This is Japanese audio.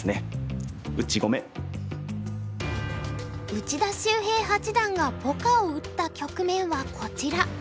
内田修平八段がポカを打った局面はこちら。